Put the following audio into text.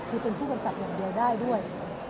คือเป็นผู้กำกับอย่างเดียวได้ด้วย